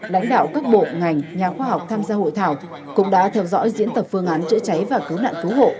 lãnh đạo các bộ ngành nhà khoa học tham gia hội thảo cũng đã theo dõi diễn tập phương án chữa cháy và cứu nạn cứu hộ